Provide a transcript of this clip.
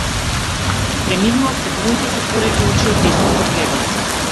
Преминува пред моите затворени очи од десно кон лево.